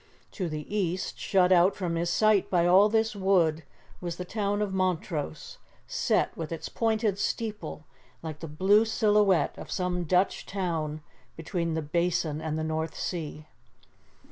To the east, shut out from his sight by all this wood, was the town of Montrose, set, with its pointed steeple, like the blue silhouette of some Dutch town, between the Basin and the North Sea.